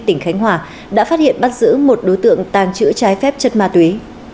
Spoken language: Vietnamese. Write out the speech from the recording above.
tỉnh khánh hòa đã phát hiện bắt giữ một đối tượng tàng trữ trái phép chất ma túy